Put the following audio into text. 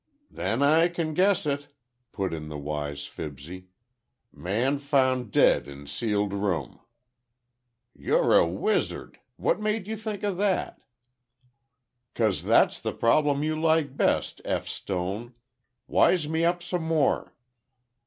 "Then I can guess it," put in the wise Fibsy. "Man found dead in sealed room." "You're a wizard! What made you think of that?" "'Cause that's the problem you like best, F. Stone. Wise me up some more."